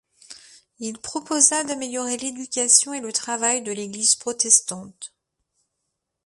Il proposa d'améliorer l'éducation et le travail de l'église protestante.